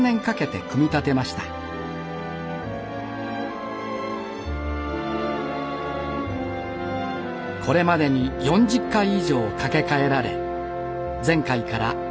これまでに４０回以上架け替えられ前回から１７年がたちました。